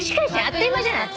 あっという間じゃない。